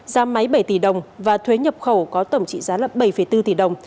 ra máy bảy tỷ đồng và thuế nhập khẩu có tổng trị giá bảy bốn tỷ đồng